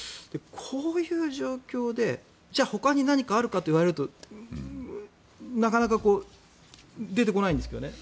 こういう状況で、じゃあほかに何かあるかといわれるとなかなか出てこないんですけど。